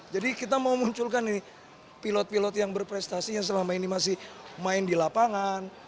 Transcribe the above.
jadi kita mau munculkan nih pilot pilot yang berprestasi yang selama ini masih main di lapangan